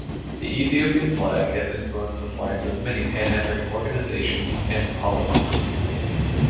The Ethiopian flag has influenced the flags of many Pan-African organizations and polities.